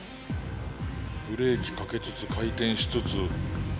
ブレーキかけつつ回転しつつ。